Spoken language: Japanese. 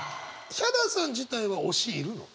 ヒャダさん自体は推しいるの？